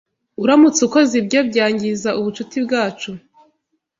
Uramutse ukoze ibyo, byangiza ubucuti bwacu.